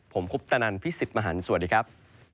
ผมคุปตนันพี่สิทธิ์มหันฯสวัสดีครับ